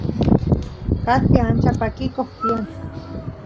kaspi ancha pakikoq tiyan